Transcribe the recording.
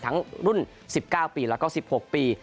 รุ่น๑๙ปีแล้วก็๑๖ปี